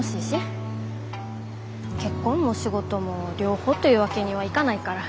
結婚も仕事も両方というわけにはいかないから。